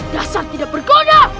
dasar tidak berguna